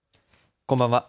こんばんは。